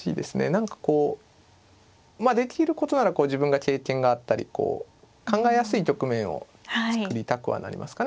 何かこうまあできることなら自分が経験があったり考えやすい局面を作りたくはなりますかね